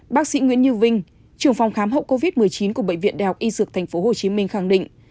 bác sĩ nguyễn như vinh trưởng phòng khám hậu covid một mươi chín của bệnh viện đại học y dược tp hcm khẳng định